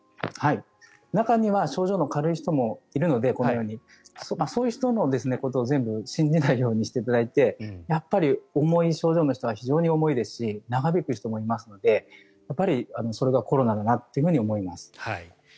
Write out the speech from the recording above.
中には症状の軽い人もいるのでそういう人のことを全部信じないようにしていただいて重い症状の人は非常に重いですし長引く人もいますのでそれがコロナだなと思います。